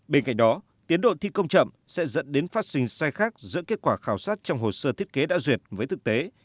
bên cạnh đó tiến độ thi công chậm sẽ dẫn đến phát sinh sai khác giữa kết quả khảo sát trong hồ sơ thiết kế đã duyệt với thực tế